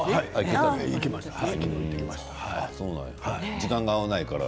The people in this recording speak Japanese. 時間が合わないから？